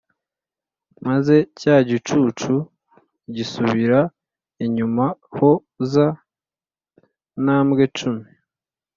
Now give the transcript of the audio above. maze cya gicucu gisubira inyuma ho za ntambwe cumi.